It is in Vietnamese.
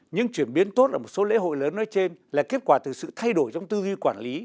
những chuyển biến tốt ở một số lễ hội lớn nói trên là kết quả từ sự thay đổi trong tư duy quản lý